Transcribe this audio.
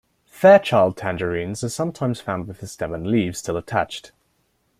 Fairchild tangerines are sometimes found with the stem and leaves still attached.